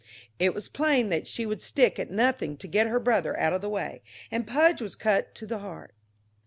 It was plain that she would stick at nothing to get her brother out of the way, and Pudge was cut to the heart.